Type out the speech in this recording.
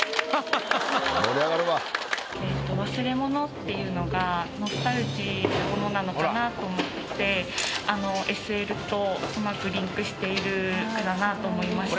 「忘れ物」っていうのがノスタルジーなものなのかなと思ってＳＬと上手くリンクしている句だなと思いました。